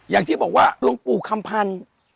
อย่างที่บอกว่าหลวงปู่คำพันธ์